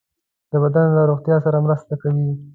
د بدن له روغتیا سره مرسته کوي.